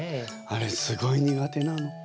あれすごい苦手なの。